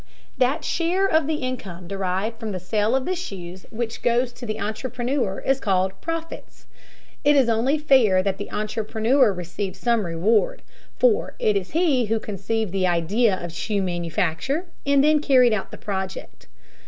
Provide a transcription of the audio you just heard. That share of the income derived from the sale of the shoes which goes to the entrepreneur is called profits. It is only fair that the entrepreneur receive some reward, for it is he who conceived the idea of shoe manufacture and then carried out the project.